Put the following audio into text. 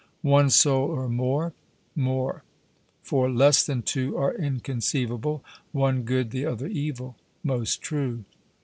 One soul or more? More; for less than two are inconceivable, one good, the other evil. 'Most true.'